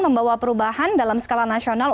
membawa perubahan dalam skala nasional